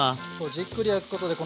じっくり焼くことでこの皮？